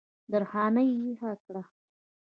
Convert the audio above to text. درخانۍ ویښه کړه